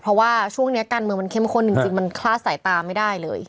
เพราะว่าช่วงนี้การเมืองมันเข้มข้นจริงมันคลาดสายตาไม่ได้เลย